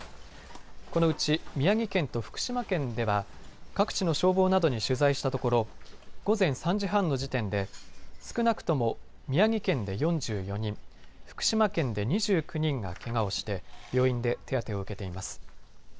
このうち宮城県と福島県では各地の消防などに取材したところ午前３時半の時点で少なくとも宮城県で４４人、福島県で２９人がけがをして病院で手当てを受けています。